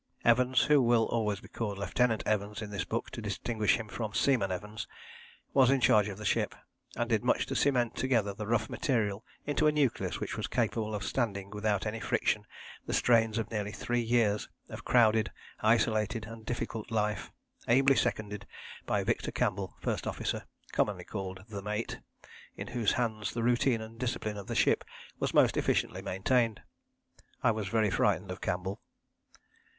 Evans, who will always be called Lieutenant Evans in this book to distinguish him from Seaman Evans, was in charge of the ship, and did much to cement together the rough material into a nucleus which was capable of standing without any friction the strains of nearly three years of crowded, isolated and difficult life, ably seconded by Victor Campbell, first officer, commonly called The Mate, in whose hands the routine and discipline of the ship was most efficiently maintained. I was very frightened of Campbell.